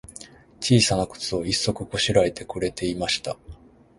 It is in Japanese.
ちいさなくつを、一足こしらえてくれていました。